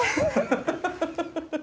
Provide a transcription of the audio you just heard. ハハハハハ。